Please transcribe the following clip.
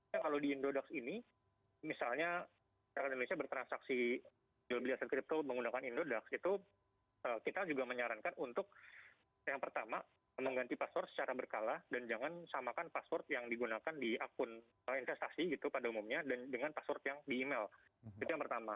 kalau di indodax ini misalnya rakyat indonesia bertransaksi jual beli hasil kripto menggunakan indox itu kita juga menyarankan untuk yang pertama mengganti password secara berkala dan jangan samakan password yang digunakan di akun investasi gitu pada umumnya dan dengan password yang di email itu yang pertama